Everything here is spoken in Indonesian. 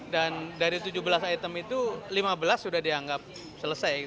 dan dari tujuh belas item itu lima belas sudah dianggap selesai